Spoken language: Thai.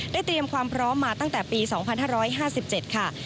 ได้เตรียมความพร้อมมาตั้งแต่ปีศาสตร์๒๕๕๗ค่ะ